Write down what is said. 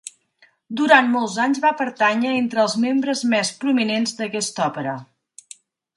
Durant molts anys va pertànyer entre els membres més prominents d'aquesta òpera.